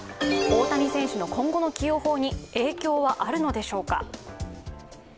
大谷選手の今後の起用法に影響はあるのでしょうか。